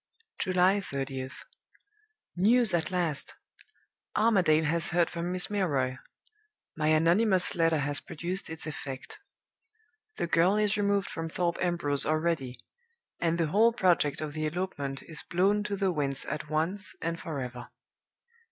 "July 30th. News at last! Armadale has heard from Miss Milroy. My anonymous letter has produced its effect. The girl is removed from Thorpe Ambrose already; and the whole project of the elopement is blown to the winds at once and forever.